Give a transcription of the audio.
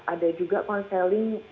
ada juga konseling